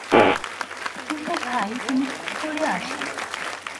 কিন্তু ভাই, তুমি কী করিয়া আসিলে।